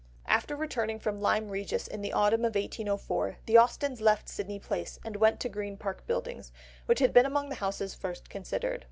After returning from Lyme Regis in the autumn of 1804, the Austens left Sydney Place, and went to Green Park Buildings, which had been among the houses first considered.